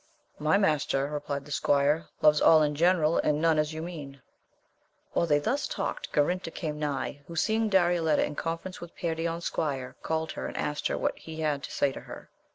My master, replied the squire, loves all in general, and none as you mean. While they thus talked Garinter came nigh, who seeing Darioleta in conference with Perion's squire, called her and asked what he had to say to her.